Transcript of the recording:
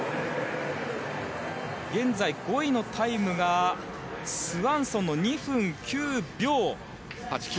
現在、５位のタイムがスワンソンの２分９秒８９。